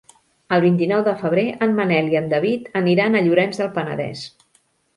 El vint-i-nou de febrer en Manel i en David aniran a Llorenç del Penedès.